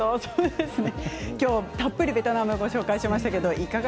たっぷりベトナムご紹介しました。